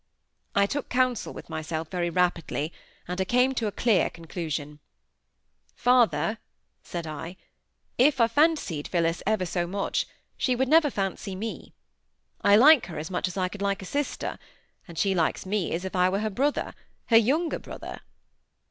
I took counsel with myself very rapidly, and I came to a clear conclusion. "Father," said I, "if I fancied Phillis ever so much, she would never fancy me. I like her as much as I could like a sister; and she likes me as if I were her brother—her younger brother."